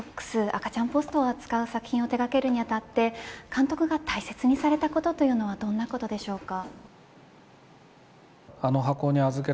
赤ちゃんポストを手掛けるにあたって監督が大切にされたということはどんなことでしょうか。